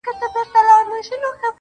د دوزخي حُسن چيرمني جنتي دي کړم.